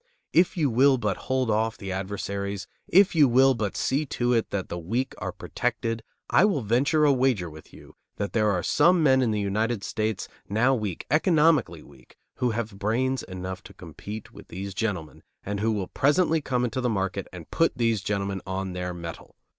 If you will but hold off the adversaries, if you will but see to it that the weak are protected, I will venture a wager with you that there are some men in the United States, now weak, economically weak, who have brains enough to compete with these gentlemen and who will presently come into the market and put these gentlemen on their mettle.